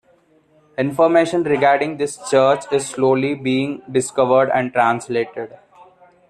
Information regarding this church is slowly being 'discovered' and translated.